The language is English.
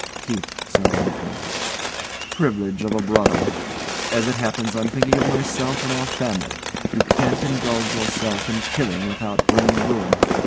KEITH. [Sardonically] Privilege of A brother. As it happens, I'm thinking of myself and our family. You can't indulge yourself in killing without bringing ruin.